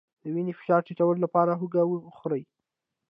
د وینې فشار ټیټولو لپاره هوږه وخورئ